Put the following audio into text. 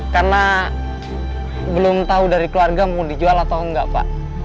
karena belum tahu dari keluarga mau dijual atau enggak pak